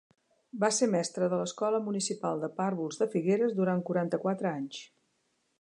Va ser mestre de l'escola municipal de pàrvuls de Figueres durant quaranta-quatre anys.